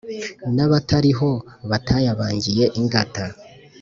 N'abatariho batayabangiye ingata